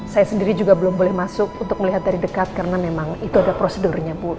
saya sendiri juga belum boleh masuk untuk melihat dari dekat karena memang itu ada prosedurnya bu